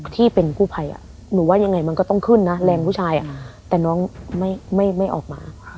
ที่เป็นกู้ภัยหนูว่ายังไงมันก็ต้องขึ้นนะแรงผู้ชายแต่น้องไม่ออกมา